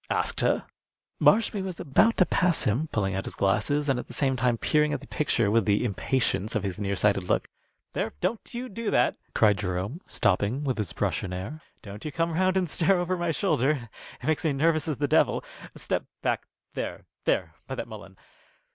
"Asked her?" Marshby was about to pass him, pulling out his glasses and at the same time peering at the picture with the impatience of his near sighted look. "There, don't you do that!" cried Jerome, stopping, with his brush in air. "Don't you come round and stare over my shoulder. It makes me nervous ad the devil. Step back there there by that mullein.